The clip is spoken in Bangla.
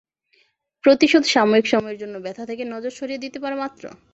প্রতিশোধ সাময়িক সময়ের জন্য ব্যথা থেকে নজর সরিয়ে দিতে পারে মাত্র।